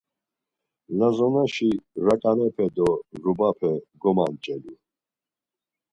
Lazonaşi raǩanepe do rubape gomanç̌elu.